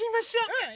うん！